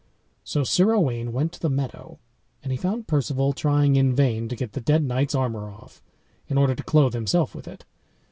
So Sir Owain went to the meadow, and he found Perceval trying in vain to get the dead knight's armor off, in order to clothe himself with it.